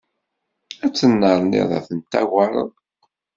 Ad ttennerniḍ ad ten-tagareḍ.